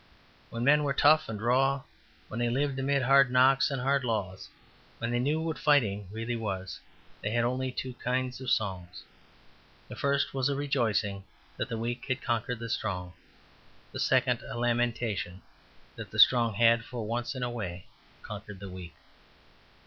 When men were tough and raw, when they lived amid hard knocks and hard laws, when they knew what fighting really was, they had only two kinds of songs. The first was a rejoicing that the weak had conquered the strong, the second a lamentation that the strong had, for once in a way, conquered the weak.